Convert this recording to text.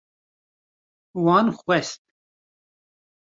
Wan xwest